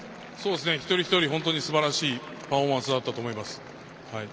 一人一人本当にすばらしいパフォーマンスだったと思います。